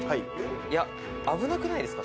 いや危なくないですか？